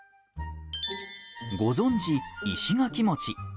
ご存じ石垣もち。